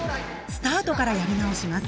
スタートからやり直します。